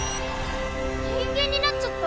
人間になっちゃった！？